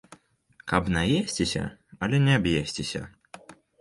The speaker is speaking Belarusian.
Каб наесціся, але не аб'есціся.